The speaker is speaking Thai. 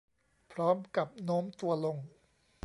พร้อมกับโน้มตัวลง